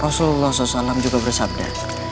rasulullah s a w juga bersabda